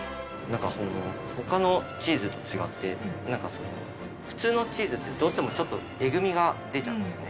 他のチーズと違って普通のチーズってどうしてもちょっとえぐみが出ちゃうんですね。